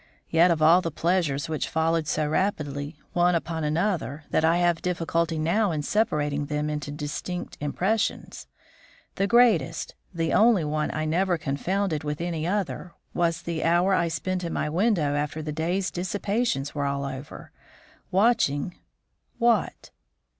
Yet of all the pleasures which followed so rapidly, one upon another, that I have difficulty now in separating them into distinct impressions, the greatest, the only one I never confounded with any other, was the hour I spent in my window after the day's dissipations were all over, watching what?